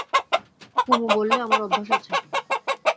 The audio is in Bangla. কুমু বললে, আমার অভ্যেস আছে।